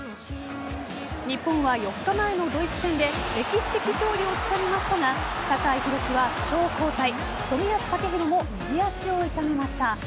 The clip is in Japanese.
日本は４日前のドイツ戦で歴史的勝利をつかみましたが酒井宏樹は負傷交代冨安健洋も右足を痛めました。